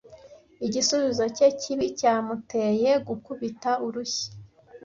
Igisubizo cye kibi cyamuteye gukubita urushyi.